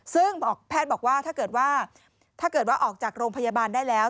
ซึ่งแพทย์บอกว่าถ้าเกิดว่าออกจากโรงพยาบาลได้แล้ว